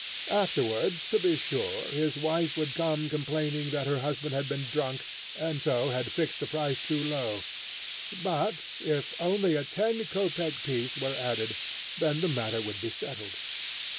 Afterwards, to be sure, his wife would come, complaining that her husband had been drunk, and so had fixed the price too low; but, if only a ten kopek piece were added then the matter would be settled.